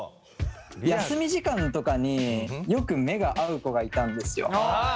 休み時間とかによく目が合う子がいたんですよ。